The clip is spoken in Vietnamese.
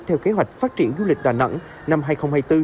theo kế hoạch phát triển du lịch đà nẵng